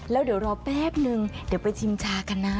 แล้วเดี๋ยวรอแป๊บนึงเดี๋ยวไปชิมชากันนะ